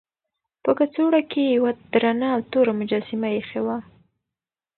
په کڅوړه کې یې یوه درنه او توره مجسمه ایښې وه.